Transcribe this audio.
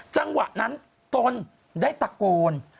จังหวะนั้นตนได้ตะโกน